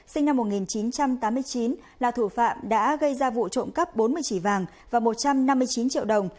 sinh năm một nghìn chín trăm tám mươi chín là thủ phạm đã gây ra vụ trộm cắp bốn mươi chỉ vàng và một trăm năm mươi chín triệu đồng